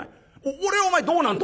俺はお前どうなんだ？